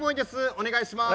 お願いします。